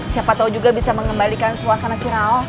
siapa tahu juga bisa mengembalikan suasana ciraos